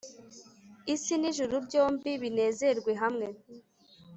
Isi n'ijuru byombi binezerwe hamwe